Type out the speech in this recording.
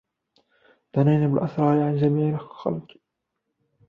ضَنِينًا بِالْأَسْرَارِ عَنْ جَمِيعِ الْخَلْقِ